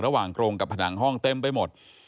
ระหว่างกรงกับผนังห้องเต็มไปหมด